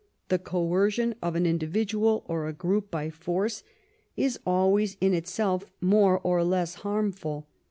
The coercion of an individual or a group by force is always in itself more or less harmful.